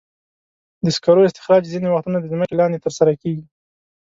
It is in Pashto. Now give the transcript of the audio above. د سکرو استخراج ځینې وختونه د ځمکې لاندې ترسره کېږي.